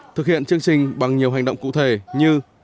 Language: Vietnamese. thực hiện chương trình bằng nhiều hành động cụ thể như